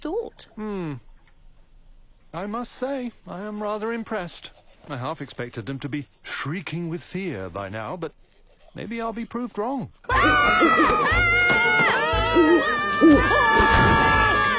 うわ！